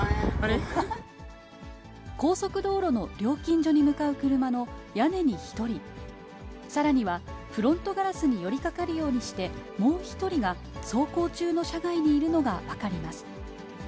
高速道路の料金所に向かう車の屋根に１人、さらにはフロントガラスに寄りかかるようにしてもう１人が、走行中の車外にいることが分かります。